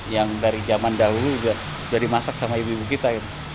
yang dari zaman dahulu sudah dimasak sama ibu ibu kita